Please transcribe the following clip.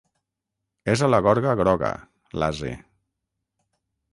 És a la gorga groga, l'ase.